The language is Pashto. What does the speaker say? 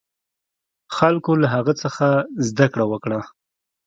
خلکو له هغه څخه زده کړه وکړه.